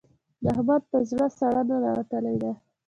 د احمد په زړه ساړه ننوتلې ده.